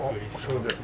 それで。